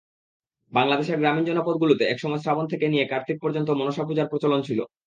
বাংলাদেশের গ্রামীণ জনপদগুলোতে একসময় শ্রাবণ থেকে নিয়ে কার্তিক পর্যন্ত মনসাপূজার প্রচলন ছিল।